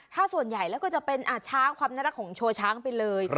ถ้าส่วนใหญ่แล้วก็จะเป็นช้างความน่ารักของโชว์ช้างไปเลย